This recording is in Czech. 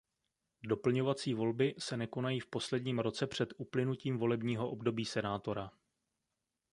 Doplňovací volby se nekonají v posledním roce před uplynutím volebního období senátora.